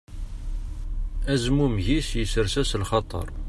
Azmummeg-is isers-as lxaṭer.